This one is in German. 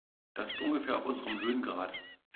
Das ist ungefähr auf unserem Höhengrad.